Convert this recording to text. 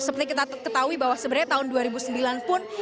seperti kita ketahui bahwa sebenarnya tahun dua ribu sembilan pun